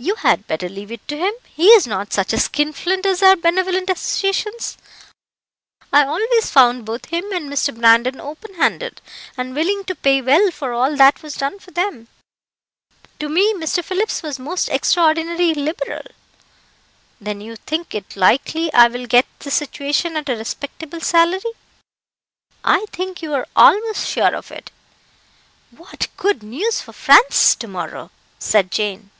"You had better leave it to him; he is not such a skinflint as our benevolent associations. I always found both him and Mr. Brandon open handed and willing to pay well for all that was done for them. To me, Mr. Phillips was most extraordinary liberal." "Then you think it likely I will get this situation at a respectable salary?" "I think you are almost sure of it." "What good news for Francis, to morrow!" said Jane.